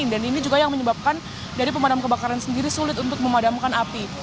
dan ini juga yang menyebabkan dari pemadam kebakaran sendiri sulit untuk memadamkan api